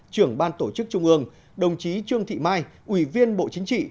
trưởng ban tổ chức trung ương đồng chí trương thị mai ủy viên bộ chính trị